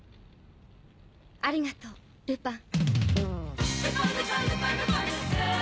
ありがとうルパン。